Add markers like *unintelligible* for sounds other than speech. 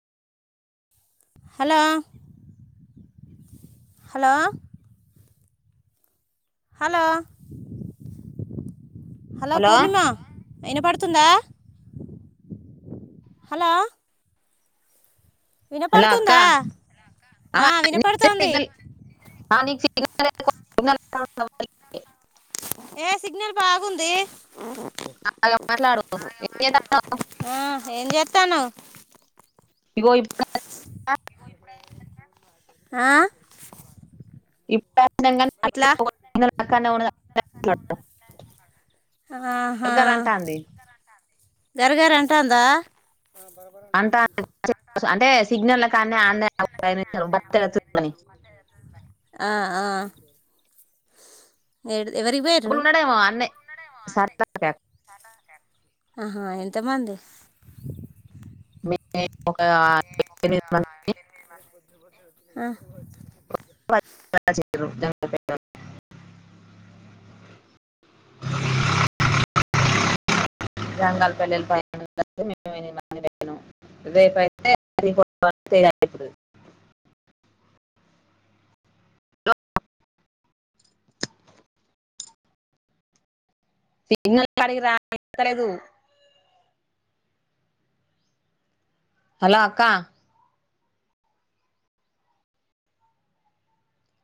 Hello hello hello hello Purnima! ఇనపడుతుందా? Hello hello అక్క వినపడుతుందా? ఆ వినపడుతోంది. ఆ నిక్ *unintelligible* ఏ సిగ్నల్ బాగుంది. అ *unintelligible* మాట్లాడు *unintelligible* ఆ, ఏం చేస్తాను ఇగో *unintelligible* ఆ ఇప్ *unintelligible* ఆహా గర గర అంటాందా అంటా అంటే సిగ్నల్ కానీ అన్నయ్య బతని ఆ అ ఏడ్ అప్పుడు ఉండడేమో ఆన్నె సర్ధా క్యాప్ ఆహా ఎంతమంది మిడ్నైట్ ఒక ఎనిమిది మంత్ ఆ వచ్ బాగ చెప్పిరు జాంగల్ పల్ల్ వెల్లుల్లి పాయ్ రేపైతే పయిప్పుదు సిగ్నల్ కాడికి రా కనిపిత్తలేదు హలో అక్కా